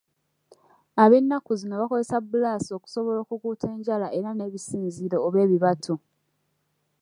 Ab'ennaku zino bakozesa bbulaasi okusobola okukuuta enjala era n'ebisinziiro oba ebibatu.